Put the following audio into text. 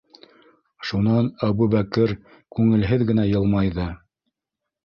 - Шунан Әбүбәкер күңелһеҙ генә йылмайҙы.